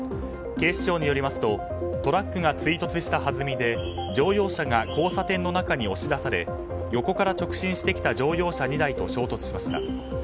警視庁によりますとトラックが追突したはずみで乗用車が交差点の中に押し出され横から直進してきた乗用車２台と衝突しました。